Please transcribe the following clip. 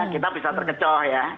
kita bisa terkecoh ya